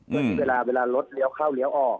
เพราะว่าเวลารถเลี้ยวเข้าเลี้ยวออก